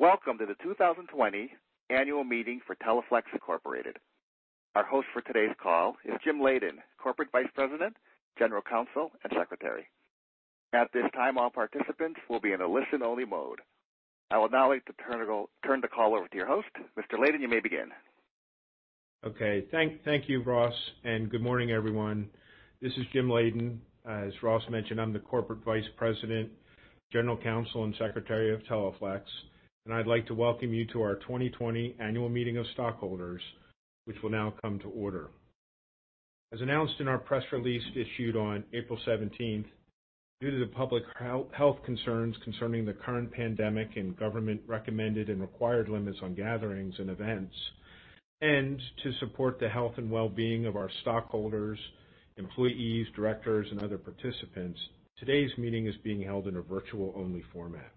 Welcome to the 2020 annual meeting for Teleflex Incorporated. Our host for today's call is Jim Leyden, Corporate Vice President, General Counsel, and Secretary. At this time, all participants will be in a listen-only mode. I will now like to turn the call over to your host. Mr. Layden, you may begin. Okay. Thank you, Ross. Good morning, everyone. This is Jim Leyden. As Ross mentioned, I'm the Corporate Vice President, General Counsel, and Secretary of Teleflex, and I'd like to welcome you to our 2020 Annual Meeting of Stockholders, which will now come to order. As announced in our press release issued on April 17th, due to the public health concerns concerning the current pandemic and government-recommended and required limits on gatherings and events, and to support the health and wellbeing of our stockholders, employees, directors, and other participants, today's meeting is being held in a virtual-only format.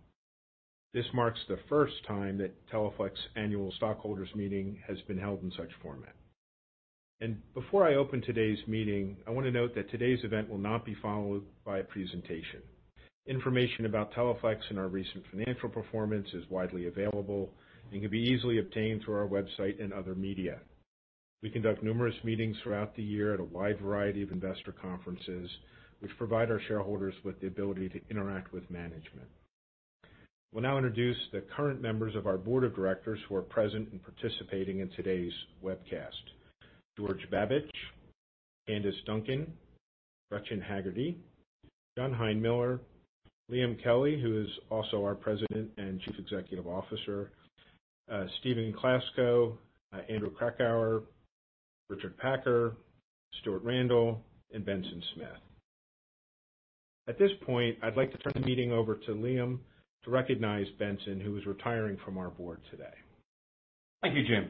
This marks the first time that Teleflex Annual Stockholders Meeting has been held in such format. Before I open today's meeting, I want to note that today's event will not be followed by a presentation. Information about Teleflex and our recent financial performance is widely available and can be easily obtained through our website and other media. We conduct numerous meetings throughout the year at a wide variety of investor conferences, which provide our shareholders with the ability to interact with management. We'll now introduce the current members of our board of directors who are present and participating in today's webcast. George Babich, Candice Duncan, Gretchen Haggerty, John Heitmiller, Liam Kelly, who is also our President and Chief Executive Officer, Steven Klasko, Andrew Krakauer, Richard Packer, Stuart Randall, and Benson Smith. At this point, I'd like to turn the meeting over to Liam to recognize Benson, who is retiring from our board today. Thank you, Jim.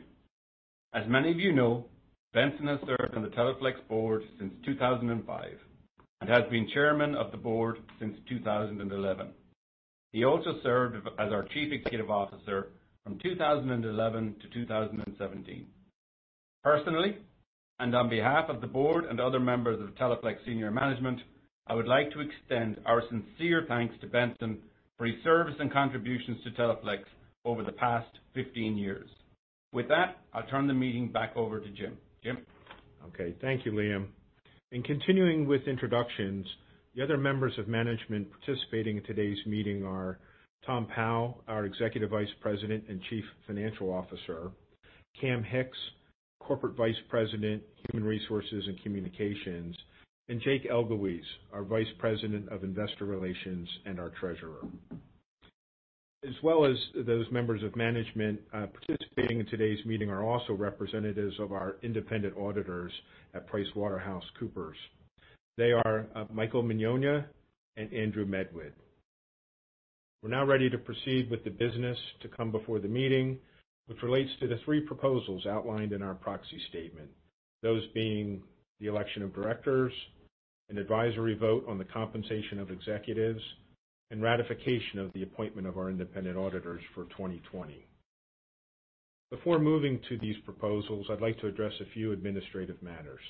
As many of you know, Benson has served on the Teleflex Board since 2005 and has been Chairman of the Board since 2011. He also served as our Chief Executive Officer from 2011 to 2017. Personally, and on behalf of the Board and other members of Teleflex senior management, I would like to extend our sincere thanks to Benson for his service and contributions to Teleflex over the past 15 years. With that, I'll turn the meeting back over to Jim. Jim? Okay. Thank you, Liam. Continuing with introductions, the other members of management participating in today's meeting are Tom Powell, our Executive Vice President and Chief Financial Officer, Cam Hicks, Corporate Vice President, Human Resources and Communications, Jake Elguicze, our Vice President of Investor Relations and our Treasurer. As well as those members of management, participating in today's meeting are also representatives of our independent auditors at PricewaterhouseCoopers. They are Michael Mignogna and Andrew Medwid. We're now ready to proceed with the business to come before the meeting, which relates to the three proposals outlined in our proxy statement. Those being the election of directors, an advisory vote on the compensation of executives, and ratification of the appointment of our independent auditors for 2020. Before moving to these proposals, I'd like to address a few administrative matters.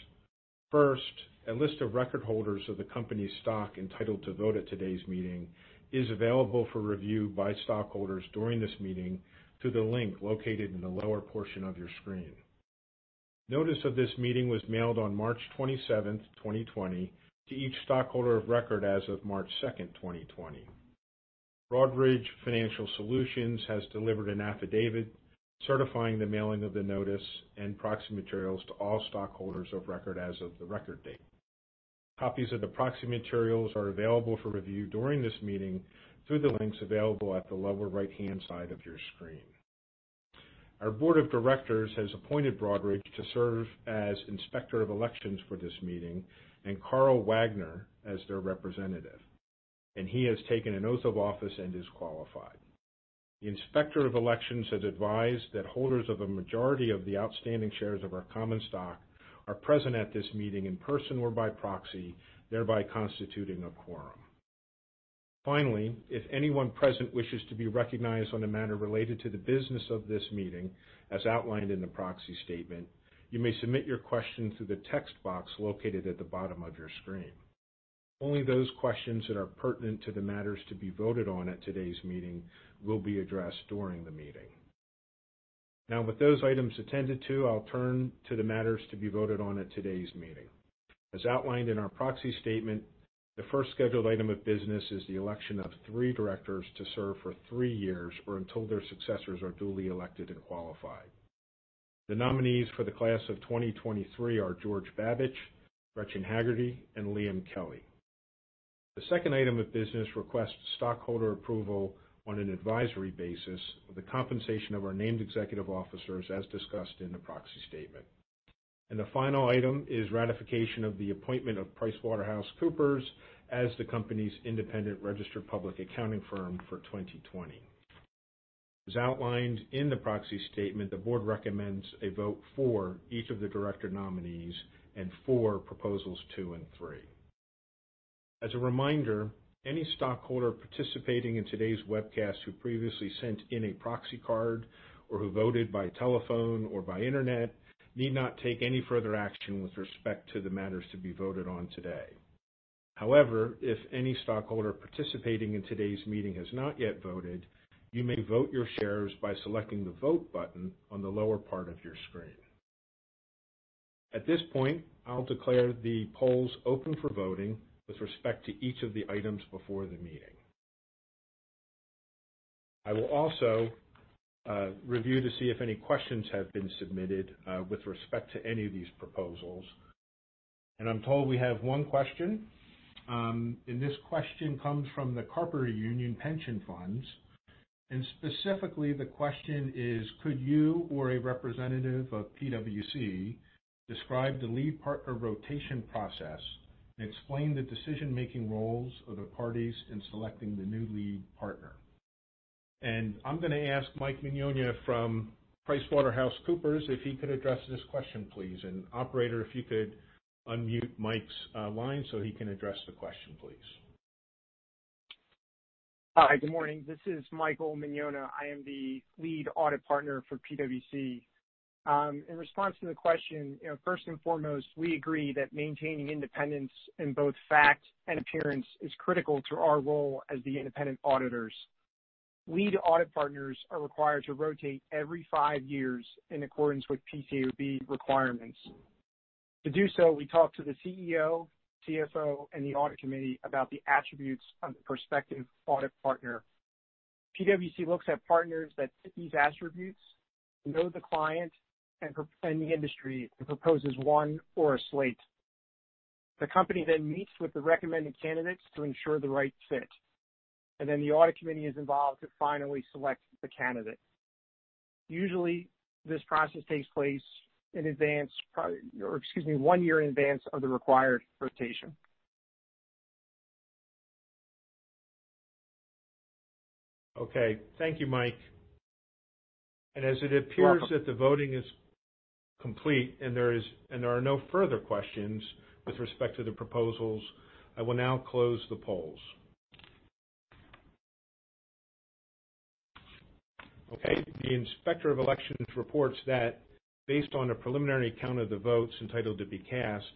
First, a list of record holders of the company's stock entitled to vote at today's meeting is available for review by stockholders during this meeting through the link located in the lower portion of your screen. Notice of this meeting was mailed on March 27th, 2020 to each stockholder of record as of March 2nd, 2020. Broadridge Financial Solutions has delivered an affidavit certifying the mailing of the notice and proxy materials to all stockholders of record as of the record date. Copies of the proxy materials are available for review during this meeting through the links available at the lower right-hand side of your screen. Our board of directors has appointed Broadridge to serve as inspector of elections for this meeting and Carl Wagner as their representative, and he has taken an oath of office and is qualified. The inspector of elections has advised that holders of a majority of the outstanding shares of our common stock are present at this meeting in person or by proxy, thereby constituting a quorum. If anyone present wishes to be recognized on a matter related to the business of this meeting as outlined in the proxy statement, you may submit your question through the text box located at the bottom of your screen. Only those questions that are pertinent to the matters to be voted on at today's meeting will be addressed during the meeting. With those items attended to, I'll turn to the matters to be voted on at today's meeting. As outlined in our proxy statement, the first scheduled item of business is the election of three directors to serve for three years or until their successors are duly elected and qualified. The nominees for the class of 2023 are George Babich, Gretchen Haggerty, and Liam Kelly. The second item of business requests stockholder approval on an advisory basis of the compensation of our named executive officers as discussed in the proxy statement. The final item is ratification of the appointment of PricewaterhouseCoopers as the company's independent registered public accounting firm for 2020. As outlined in the proxy statement, the board recommends a vote for each of the director nominees and for proposals two and three. As a reminder, any stockholder participating in today's webcast who previously sent in a proxy card or who voted by telephone or by internet need not take any further action with respect to the matters to be voted on today. However, if any stockholder participating in today's meeting has not yet voted, you may vote your shares by selecting the Vote button on the lower part of your screen. At this point, I'll declare the polls open for voting with respect to each of the items before the meeting. I will also review to see if any questions have been submitted with respect to any of these proposals. I'm told we have one question, and this question comes from the Carpenters Union Pension Fund, and specifically, the question is: Could you or a representative of PwC describe the lead partner rotation process and explain the decision-making roles of the parties in selecting the new lead partner? I'm going to ask Mike Mignogna from PricewaterhouseCoopers if he could address this question, please. Operator, if you could unmute Mike's line so he can address the question, please. Hi. Good morning. This is Michael Mignogna. I am the lead audit partner for PwC. In response to the question, first and foremost, we agree that maintaining independence in both fact and appearance is critical to our role as the independent auditors. Lead audit partners are required to rotate every five years in accordance with PCAOB requirements. To do so, we talk to the CEO, CFO, and the audit committee about the attributes of the prospective audit partner. PwC looks at partners that fit these attributes, know the client and the industry, and proposes one or a slate. The company then meets with the recommended candidates to ensure the right fit, and then the audit committee is involved to finally select the candidate. Usually, this process takes place one year in advance of the required rotation. Okay. Thank you, Mike. You're welcome. As it appears that the voting is complete and there are no further questions with respect to the proposals, I will now close the polls. Okay. The Inspector of Elections reports that based on a preliminary count of the votes entitled to be cast,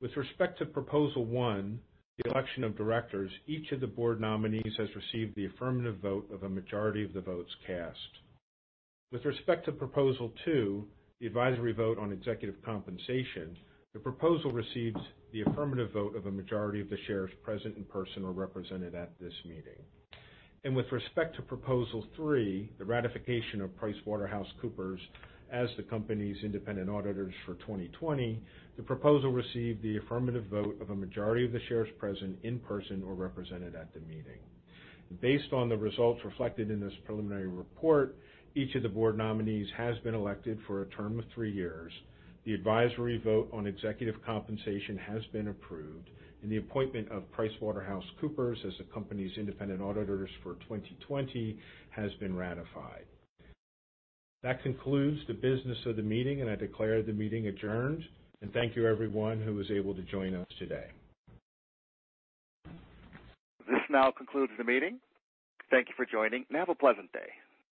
with respect to proposal one, the election of directors, each of the board nominees has received the affirmative vote of a majority of the votes cast. With respect to proposal two, the advisory vote on executive compensation, the proposal receives the affirmative vote of a majority of the shares present in person or represented at this meeting. With respect to proposal three, the ratification of PricewaterhouseCoopers as the company's independent auditors for 2020, the proposal received the affirmative vote of a majority of the shares present in person or represented at the meeting. Based on the results reflected in this preliminary report, each of the board nominees has been elected for a term of three years. The advisory vote on executive compensation has been approved, and the appointment of PricewaterhouseCoopers as the company's independent auditors for 2020 has been ratified. That concludes the business of the meeting, and I declare the meeting adjourned. Thank you everyone who was able to join us today. This now concludes the meeting. Thank you for joining, and have a pleasant day.